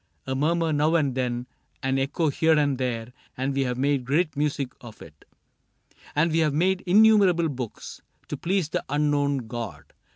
^ A murmur now and then, an echo here And there, and we have made great music of it; And we have made innumerable books To please the Unknown God.